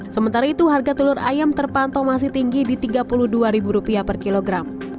sementara itu harga telur ayam terpantau masih tinggi di rp tiga puluh dua per kilogram